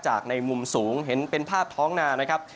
ในมุมสูงเห็นเป็นภาพท้องนานะครับ